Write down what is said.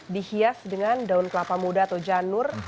dihias dengan daun kelapa muda atau janur